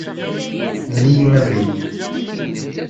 Mel-iyi abrid.